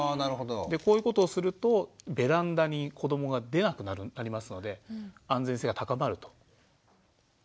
こういうことをするとベランダに子どもが出なくなりますので安全性が高まると。